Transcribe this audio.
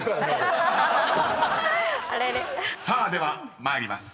［さあでは参ります。